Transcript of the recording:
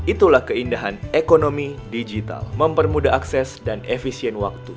itulah keindahan ekonomi digital mempermudah akses dan efisien waktu